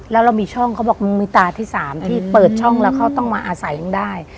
แล้วเรามีช่องเขาบอกมึงมีตาที่๓ที่เปิดช่องแล้วเขาต้องมาอาศัยมึงได้